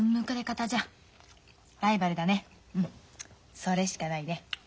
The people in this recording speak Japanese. それしかないね。